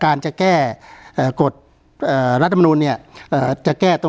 การแสดงความคิดเห็น